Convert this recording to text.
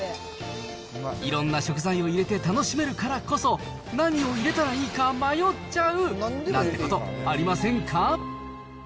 いろんな食材を入れて楽しめるからこそ、何を入れたらいいか迷っちゃう、なんてことありませんか？